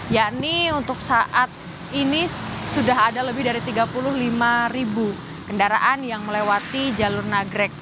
yakni untuk saat ini sudah ada lebih dari tiga puluh lima ribu kendaraan yang melewati jalur nagrek